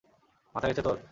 মাথা গেছে তোর?